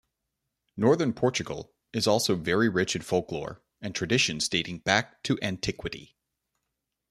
Northern Portugal is also very rich in folklore and traditions dating back to antiquity.